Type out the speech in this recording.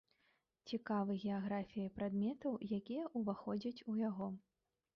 Цікавы геаграфіяй прадметаў, якія ўваходзяць у яго.